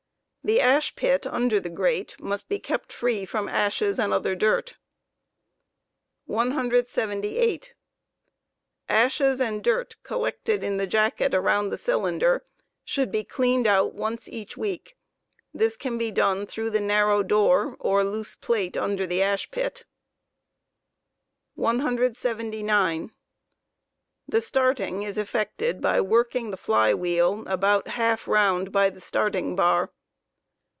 The ash pit under the grate must be kept free from ashes and'other dirt 178. Ashes and dirt collected in the jacket around the cylinder should be cleaned out once each week; this can be done through the narrow door or loose plate under the ash pit. y $ starting * 179. The starting is effected by working the fly wheel about half round by the start . ing bar.